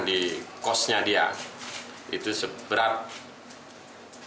di kosnya dia itu seberat enam puluh dua gram